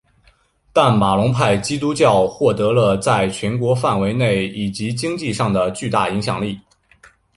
但马龙派基督教徒获得了在全国范围内以及经济上的巨大影响力。